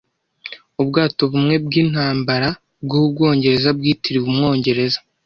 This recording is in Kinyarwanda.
ubwato bumwe bwintambara bwubwongereza bwitiriwe umwongereza